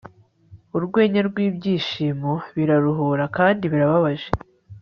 Urwenya rwibyishimo biraruhura kandi birababaje